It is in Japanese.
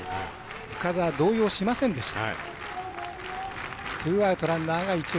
深沢、動揺しませんでした。